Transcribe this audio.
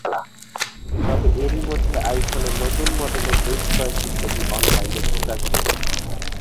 তবে এরই মধ্যে আইফোনের নতুন মডেলের বেশ কয়েকটি ছবি অনলাইনে প্রকাশ হয়েছে।